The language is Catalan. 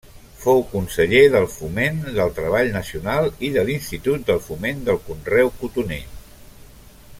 Fou conseller del Foment del Treball Nacional i de l'Institut del Foment del Conreu Cotoner.